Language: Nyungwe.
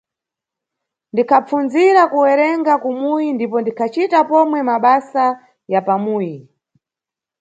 Ndikhapfundzira kuwerenga kumuyi ndipo ndikhacita pomwe mabasa ya pamuyi.